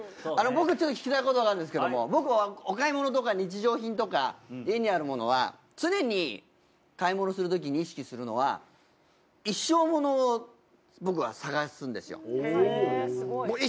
僕ちょっと聞きたいことがあるんですけども僕はお買い物とか日常品とか家にあるものは常に買い物するときに意識するのは一生ものを僕は探すんですよ。へすごい。